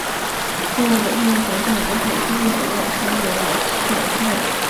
炮管本身的旋转则是由飞机携带的双液压系统驱动。